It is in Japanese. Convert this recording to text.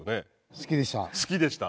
好きでした。